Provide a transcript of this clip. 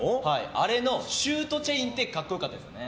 あれのシュートチェインって格好よかったですね。